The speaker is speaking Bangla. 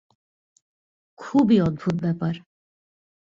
খুবই অদ্ভুত ব্যাপার।